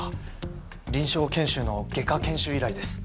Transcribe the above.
臨床研修の外科研修以来です。